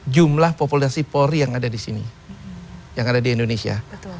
jumlah populasi polri yang ada di sini yang ada di indonesia